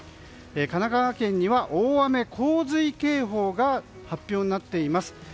神奈川県には大雨洪水警報が発表になっています。